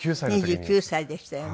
２９歳でしたよね。